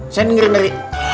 saya dengerin dari